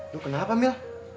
lo kenapa mil